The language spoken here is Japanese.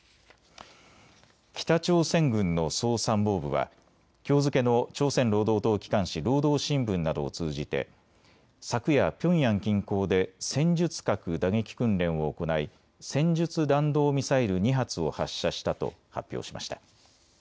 北朝鮮軍の総参謀部はきょう付けの朝鮮労働党機関紙、労働新聞などを通じて昨夜、ピョンヤン近郊で戦術核打撃訓練を行い戦術弾道ミサイル２発を発射したと発表しました。